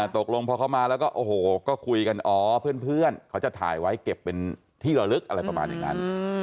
ตกลงพอเขามาแล้วก็โอ้โหก็คุยกันอ๋อเพื่อนเขาจะถ่ายไว้เก็บเป็นที่ระลึกอะไรประมาณอย่างนั้น